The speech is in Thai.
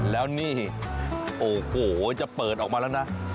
แล้วนี่โอ้โหจะเปิดออกมาแล้วนะ